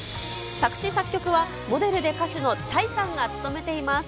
作詞作曲はモデルで歌手のチャイさんが務めています。